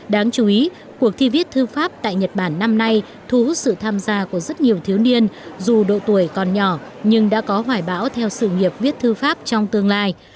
đáng chú ý cuộc thi viết thư pháp tại nhật bản năm nay thu hút sự tham gia của rất nhiều thiếu niên dù độ tuổi còn nhỏ nhưng đã có hoài bão theo sự nghiệp viết thư pháp trong tương lai